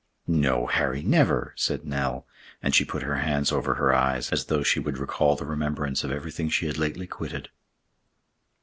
"No, Harry, never!" said Nell, and she put her hand over her eyes, as though she would recall the remembrance of everything she had lately quitted.